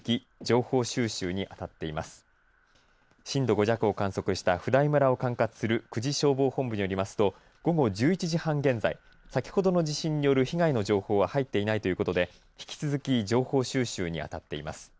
震度５弱を観測した普代村を管轄する久慈消防本部によりますと午後１１時半現在先ほどの地震による被害の情報は入っていないということで引き続き情報収集にあたっています。